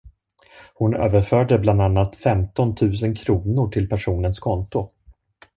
Hon överförde bland annat femton tusen kronor till personens konto.